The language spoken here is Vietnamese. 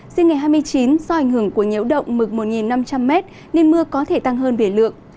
xin ngày hai mươi chín do ảnh hưởng của nhiễu động mực một năm trăm linh m nên mưa có thể tăng hơn về lượng